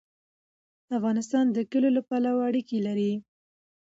افغانستان د کلیو له پلوه اړیکې لري.